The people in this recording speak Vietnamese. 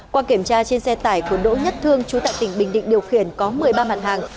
qua kiểm tra trên xe tải của đỗ nhất thương chú tại tỉnh bình định điều khiển có một mươi ba mặt hàng